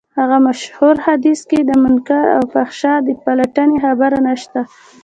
هغه مشهور حديث کې د منکر او فحشا د پلټنې خبره نشته.